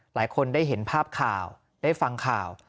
หลายคนได้เห็นภาพข่าวได้ฟังข่าว